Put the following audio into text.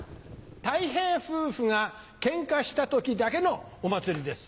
たい平夫婦がケンカした時だけのお祭りです。